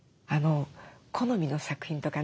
好みの作品とかね